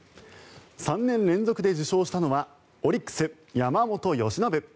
３年連続で受賞したのはオリックス、山本由伸。